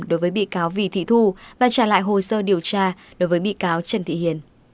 đối với bị cáo vì thị thu và trả lại hồ sơ điều tra đối với bị cáo trần thị hiền